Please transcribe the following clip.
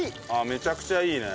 めちゃくちゃいいね。